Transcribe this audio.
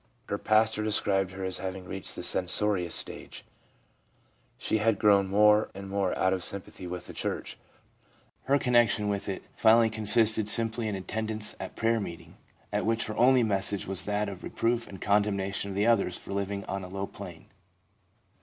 Her pastor described her as having reached the censorious stage. She had grown more and more out of sympathy with the church ; her connection with it finally consisted simply in attendance at prayer meeting, at which her only message was that of reproof and condemnation of the others for living on a low plane.